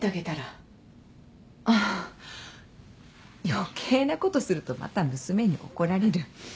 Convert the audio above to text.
余計なことするとまた娘に怒られる。